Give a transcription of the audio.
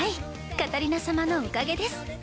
カタリナ様のおかげです。